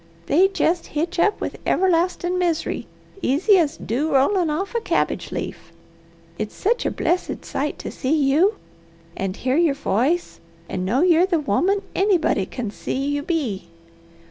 They jest hitch up with everlastin' misery easy as dew rolling off a cabbage leaf. It's sech a blessed sight to see you, and hear your voice and know you're the woman anybody can see you be.